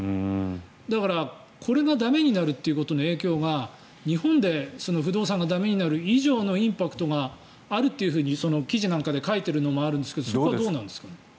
だから、これが駄目になるということの影響が日本で不動産が駄目になる以上のインパクトがあるというふうに記事なんかで書いてるのもあるんですがそれはどうなんですか？